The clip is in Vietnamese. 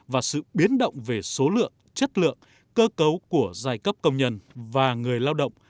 và sự biến động về số lượng chất lượng cơ cấu của giai cấp công nhân và người lao động